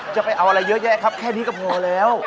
จะเอาอะไรเยอะแยะครับแค่นี้ก็พอแล้ว